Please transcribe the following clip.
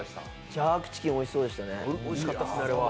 ジャークチキンおいしそうでしたね。